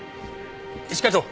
一課長。